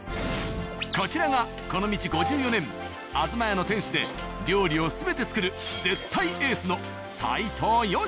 こちらがこの道５４年「あづま家」の店主で料理を全て作る絶対エースの。